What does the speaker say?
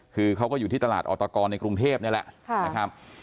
คือเขาก็อยู่ที่ตลาดออตกรในกรุงเทพนี่แหละนะครับ